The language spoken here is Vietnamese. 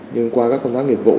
nhưng qua các công tác nghiệp vụ